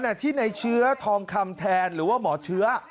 ที่ในเชื้อทองคำแทนหรือว่าหมอเชื้อ